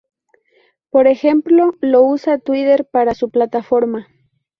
Por ejemplo, lo usa Twitter para su plataforma.